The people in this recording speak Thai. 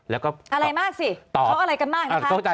อะไรมากสิเขาอะไรกันมากนะคะ